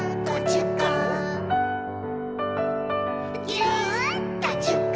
「ぎゅっとじゅっこ」